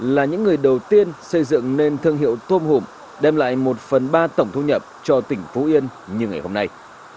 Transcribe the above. là những người đầu tiên xây dựng nên thương hiệu tôm hùm đem lại một phần ba tổng thu nhập cho tỉnh phú yên như ngày hôm nay